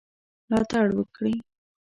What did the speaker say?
ملاتړ وکړي.